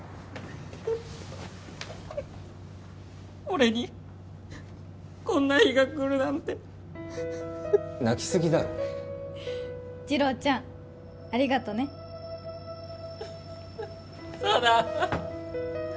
俺にこんな日が来るなんて泣きすぎだろ次郎ちゃんありがとね佐奈